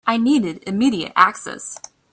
I needed immediate access.